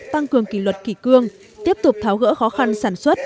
tăng cường kỷ luật kỷ cương tiếp tục tháo gỡ khó khăn sản xuất